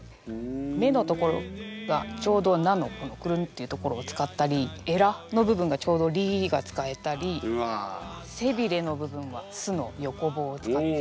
目の所がちょうど「な」のクルンッていう所を使ったりエラの部分がちょうど「り」が使えたり背びれの部分は「す」の横棒を使って。